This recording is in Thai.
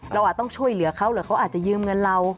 อาจต้องช่วยเหลือเขาหรือเขาอาจจะยืมเงินเรา